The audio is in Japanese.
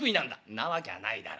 「んなわきゃないだろ。